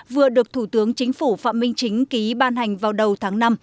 vừa được thủ tướng chính phủ phạm minh chính ký ban hành vào đầu tháng năm